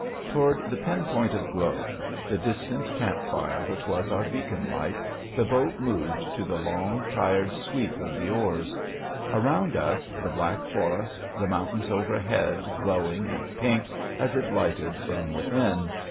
Toward the pin point of glow the distant camp fire which was our beacon light the boat moved to the long, tired sweep of the oars; around us the black forest, the mountains overhead glowing and pink, as if lighted from within.